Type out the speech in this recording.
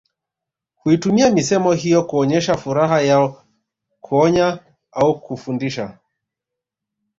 Huitumia misemo hiyo kuonyesha furaha yao kuonya au kufundisha